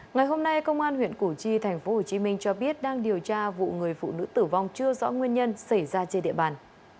ngày hôm nay công an huyện củ chi tp hcm cho biết đang điều tra vụ người phụ nữ tử vong chưa rõ nguyên nhân xảy ra trên địa bàn